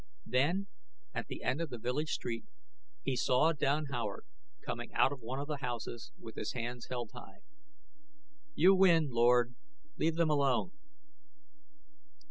Then, at the end of the village street, he saw Don Howard coming out of one of the houses with his hands held high. "You win, Lord; leave them alone."